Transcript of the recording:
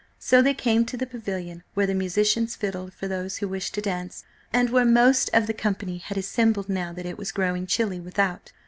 So they came to the Pavilion, where the musicians fiddled for those who wished to dance, and where most of the company had assembled now that it was growing chilly without.